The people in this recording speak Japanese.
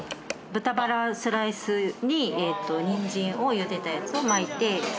豚バラスライスににんじんをゆでたやつを巻いて作ったものです。